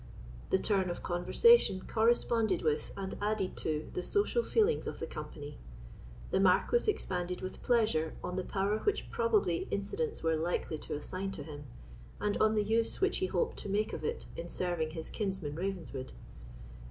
The turn of conversation corresponded with and added to the social feelings of the company. The Marquis expanded with pleasure on the power which probably incidents were likely to assign to him, and on the use which he hoped to make of it in serving his kinsman Ravenswood.